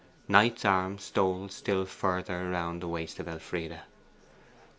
Knight's arm stole still further round the waist of Elfride.